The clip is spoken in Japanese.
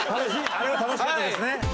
あれは楽しかったですね。